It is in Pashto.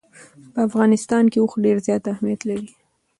په افغانستان کې اوښ ډېر زیات اهمیت لري.